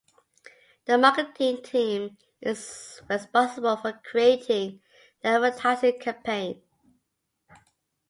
The marketing team is responsible for creating the advertising campaign.